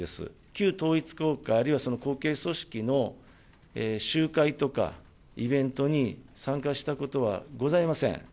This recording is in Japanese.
旧統一教会、あるいは後継組織の集会とか、イベントに参加したことはございません。